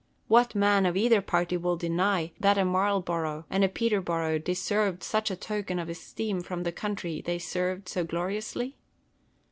What man of either party will deny, that a Marlborough and a Peterborough deserved such a token of esteem from the country they served so gloriously